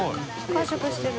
完食してる。